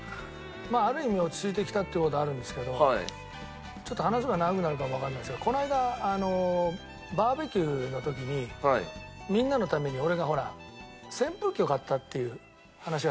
まあある意味落ち着いてきたっていう事はあるんですけどちょっと話せば長くなるかもわかんないですがこの間バーベキューの時にみんなのために俺がほら扇風機を買ったっていう話があったでしょ。